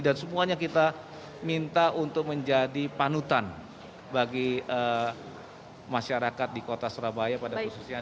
dan semuanya kita minta untuk menjadi panutan bagi masyarakat di kota surabaya pada khususnya